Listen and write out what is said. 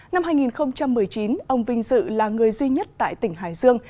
năm hai nghìn một mươi chín ông vinh dự là người duy nhất tại tỉnh hải dương